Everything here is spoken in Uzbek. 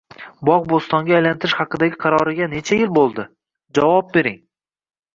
bog‘-bo‘stonga aylantirish haqidagi qaroriga necha yil bo‘ldi? Javob bering?